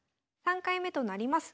３回目となります